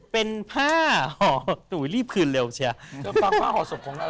เป็นผ้าห่อศพหนูรีบคืนเร็วใช่ไหม